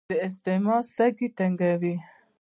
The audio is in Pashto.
د اسثما سږي تنګوي.